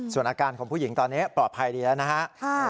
ส่วนอาการของผู้หญิงตอนนี้ปลอดภัยดีแล้วนะฮะ